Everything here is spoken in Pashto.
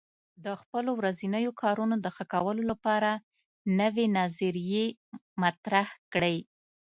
د خپلو ورځنیو کارونو د ښه کولو لپاره نوې نظریې مطرح کړئ.